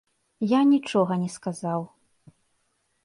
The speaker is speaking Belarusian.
Я нічога не сказаў.